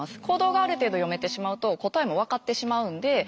行動がある程度読めてしまうと答えも分かってしまうんで。